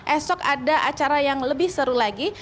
esok ada acara yang lebih seru lagi